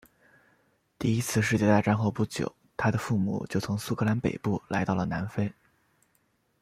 第一次世界大战后不久他的父母就从苏格兰北部来到了南非。